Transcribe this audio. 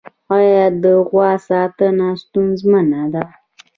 آیا د غوا ساتنه ستونزمنه ده؟